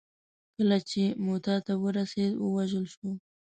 کله چې موته ته ورسېد ووژل شو.